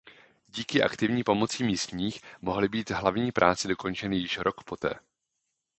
Díky aktivní pomoci místních mohly být hlavní práce dokončeny již rok poté.